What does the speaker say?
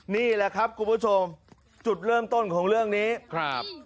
นี่แหละครับคุณผู้ชมจุดเริ่มต้นของเรื่องนี้ครับ